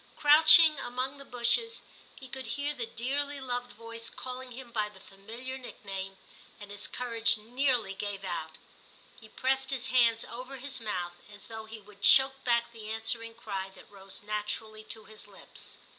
Crouching among the bushes, he could hear the dearly loved voice calling him by the familiar nickname, and his courage nearly gave out ; he pressed his hands over his mouth as though he would choke back the answering cry that rose naturally to his lips.